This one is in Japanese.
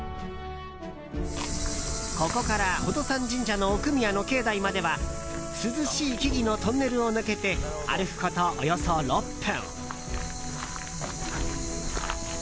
ここから寶登山神社の奥宮の境内までは涼しい木々のトンネルを抜けて歩くこと、およそ６分。